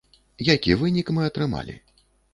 Які вынік мы атрымалі?